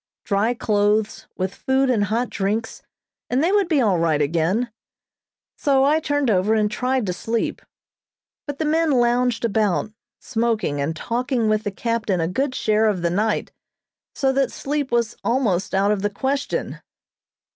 Dry clothes, with food and hot drinks, and they would be all right again; so I turned over and tried to sleep, but the men lounged about, smoking and talking with the captain a good share of the night, so that sleep was almost out of the question.